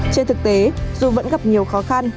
trên thực tế dù vẫn gặp nhiều khó khăn